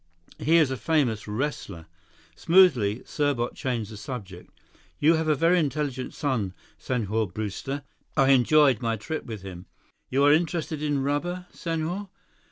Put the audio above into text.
He is a famous wrestler." Smoothly, Serbot changed the subject. "You have a very intelligent son, Senhor Brewster. I enjoyed my trip with him. You are interested in rubber, Senhor?"